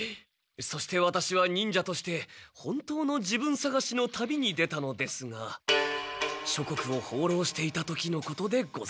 「そしてワタシは忍者として本当の自分さがしの旅に出たのですがしょこくをほうろうしていた時のことでございます」。